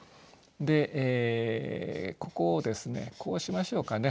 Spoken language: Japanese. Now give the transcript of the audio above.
でここをですねこうしましょうかね。